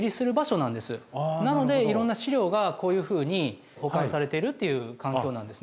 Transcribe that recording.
なのでいろんな資料がこういうふうに保管されてるっていう環境なんですね。